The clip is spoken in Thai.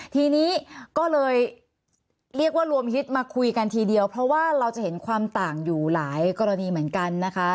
ทีนี้ก็เลยเรียกว่ารวมฮิตมาคุยกันทีเดียวเพราะว่าเราจะเห็นความต่างอยู่หลายกรณีเหมือนกันนะคะ